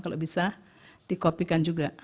kalau bisa dikopikan juga